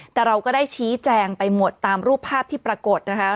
แต่เราก็ได้ชี้แจงไปหมดตามรูปภาพที่ปรากฏนะคะ